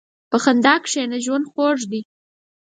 په خندا کښېنه، ژوند خوږ دی.